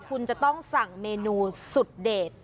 คุณจะต้องสั่งเมนูสุดเด็ด